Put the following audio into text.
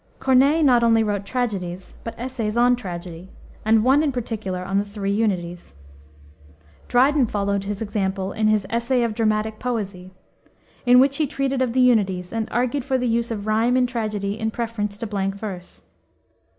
Corneille not only wrote tragedies, but essays on tragedy, and one in particular on the Three Unities. Dryden followed his example in his Essay of Dramatic Poesie (1667), in which he treated of the unities, and argued for the use of rime in tragedy in preference to blank verse.